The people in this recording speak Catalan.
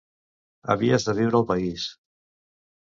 Havies de viure al país.